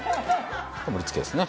盛り付けですね。